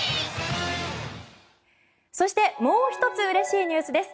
そして、もう１つうれしいニュースです。